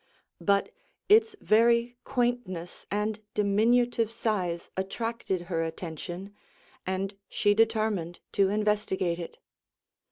But its very quaintness and diminutive size attracted her attention, and she determined to investigate it.